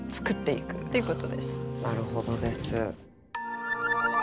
なるほどです。